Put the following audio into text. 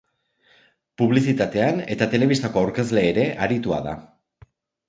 Publizitatean eta telebistako aurkezle ere aritua da.